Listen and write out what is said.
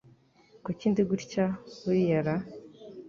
Kuki ndi gutya buriya ra